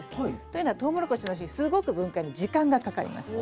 というのはトウモロコシの芯すごく分解に時間がかかります。